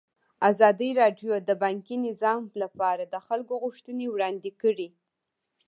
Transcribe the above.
ازادي راډیو د بانکي نظام لپاره د خلکو غوښتنې وړاندې کړي.